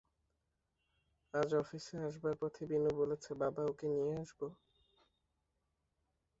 আজ অফিসে আসবার পথে বিনু বলেছে, বাবা, ওঁকে নিয়ে আসবে?